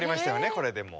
これでもう。